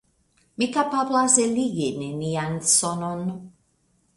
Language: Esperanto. Mi kapablis eligi nenian sonon.